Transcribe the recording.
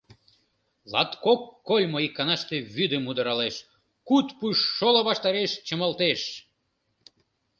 Латкок кольмо иканаште вӱдым удыралеш, куд пуш шоло ваштареш чымалтеш.